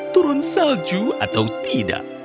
turun salju atau tidak